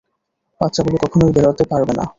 বাচ্চাগুলো কখনোই বেরাতে পারবে না।